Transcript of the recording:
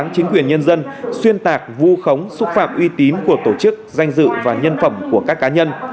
chính quyền nhân dân xuyên tạc vu khống xúc phạm uy tín của tổ chức danh dự và nhân phẩm của các cá nhân